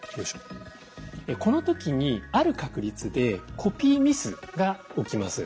この時にある確率でコピーミスが起きます。